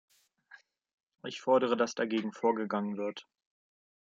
Ich fordere, dass dagegen vorgegangen wird!